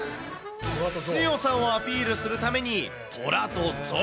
強さをアピールするために虎と象。